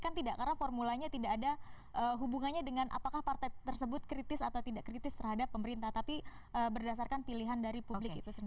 kan tidak karena formulanya tidak ada hubungannya dengan apakah partai tersebut kritis atau tidak kritis terhadap pemerintah tapi berdasarkan pilihan dari publik itu sendiri